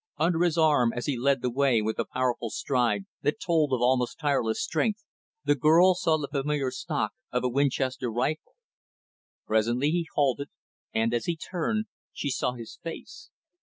Under his arm, as he led the way with a powerful stride that told of almost tireless strength, the girl saw the familiar stock of a Winchester rifle. Presently he halted, and as he turned, she saw his face.